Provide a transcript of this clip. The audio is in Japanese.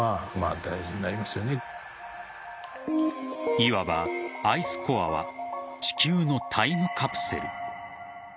いわばアイスコアは地球のタイムカプセル。